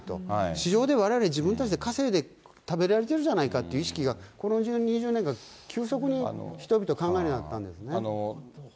市場でわれわれ自分たちで稼いで食べられてるじゃないかって意識が、この１０年、２０年間急速に人々考えるようになったんですね。